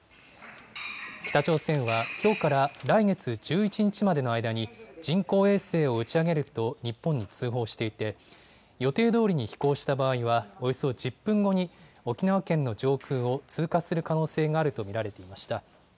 北朝鮮はきょうから来月１１日までの間に人工衛星を打ち上げると日本に通報していて予定どおりに飛行した場合はおよそ１０分後に沖縄県の上空を通過する可能性があると見られていました。